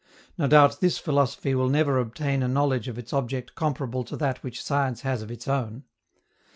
No doubt this philosophy will never obtain a knowledge of its object comparable to that which science has of its own.